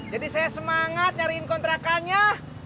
jadi saya semangat nyariin kontrakannya